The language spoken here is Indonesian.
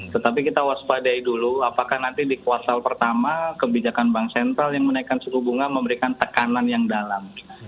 tetapi kita waspadai dulu apakah nanti di kuartal pertama kebijakan bank sentral yang menaikkan suku bunga memberikan tekanan yang dalam